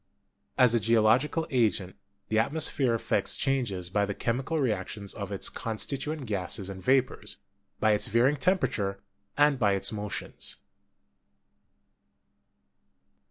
As a geological agent, the atmos phere effects changes by the chemical reactions of its constituent gases and vapors, by its varying temperature, and by its motions.